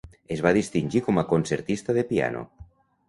Es va distingir com a concertista de piano.